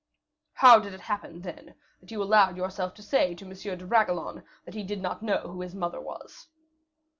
"How did it happen, then, that you allowed yourself to say to M. de Bragelonne that he did not know who his mother was?"